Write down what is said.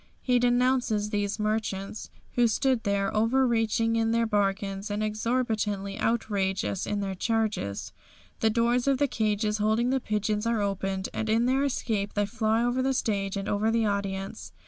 He denounces these merchants, who stood there over reaching in their bargains and exorbitantly outrageous in their charges. The doors of the cages holding the pigeons are opened, and in their escape they fly over the stage and over the audience.